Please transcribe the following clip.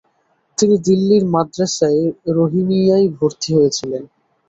তিনি দিল্লির মাদ্রাসায়ে রহিমিয়্যায় ভর্তি হয়েছিলেন।